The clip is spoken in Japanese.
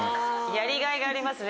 やりがいがありますね。